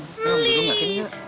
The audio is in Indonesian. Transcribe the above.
om dudung yakin gak